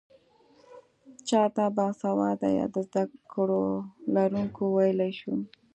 چا ته باسواده يا د زده کړو لرونکی ويلی شو؟